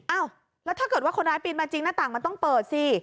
อ้าวแล้วถ้าเกิดว่าคนร้ายปีนมาจริงหน้าต่างมันต้องเปิดสิ